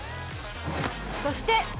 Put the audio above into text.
そして。